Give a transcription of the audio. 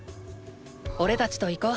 おれたちと行こう。